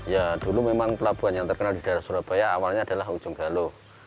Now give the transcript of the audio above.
ya dulu memang pelabuhan yang terkenal di daerah surabaya awalnya adalah ujung galuh